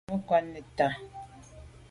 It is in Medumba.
Me kwa’ neta.